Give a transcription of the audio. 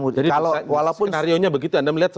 jadi skenario nya begitu anda melihat